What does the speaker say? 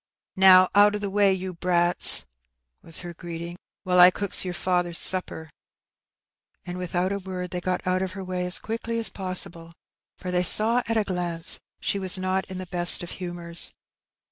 " Now, out of the way, you brats,'* was her greeting, "while I cooks your faather's supper.'* Addleb's Hall. 17 And without a word they got out of her way as quickly as aible, for they saw at a glance she waa not in the beat of loora.